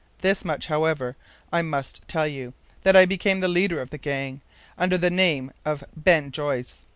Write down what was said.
This much, however, I must tell you, that I became the leader of the gang, under the name of Ben Joyce.